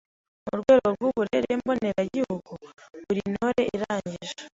Mu rwego rw’Uburere mboneragihugu, buri Ntore irangije